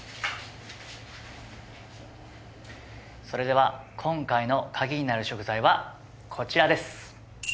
それでは今回の鍵になる食材はこちらです。